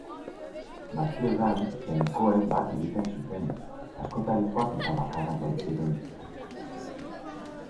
Batzuetan, jainkoek bat egiten zuten, askotarikoak eta bakarrak baitziren.